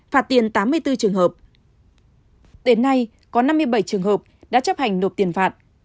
phạt tiền tám mươi bốn trường hợp đến nay có năm mươi bảy trường hợp đã chấp hành nộp tiền phạt